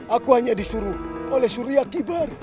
aku hanya disuruh oleh surya kibar